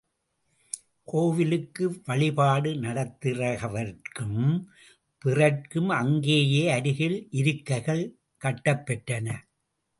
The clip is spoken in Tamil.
கோவிலுக்கு வழிபாடு நடத்துகின்றவர்கட்கும், பிறர்க்கும் அங்கேயே அருகில் இருக்கைகள் கட்டப்பெற்றன.